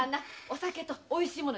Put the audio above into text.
お酒とおいしい物